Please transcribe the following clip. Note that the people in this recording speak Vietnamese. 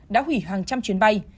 đã hủy hàng trăm chuyến bay